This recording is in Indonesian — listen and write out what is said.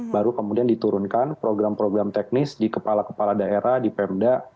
baru kemudian diturunkan program program teknis di kepala kepala daerah di pemda